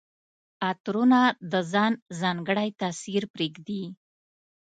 عطرونه د ځان ځانګړی تاثر پرېږدي.